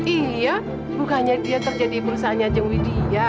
iya bukannya dia terjadi perusahaan yang jengwidia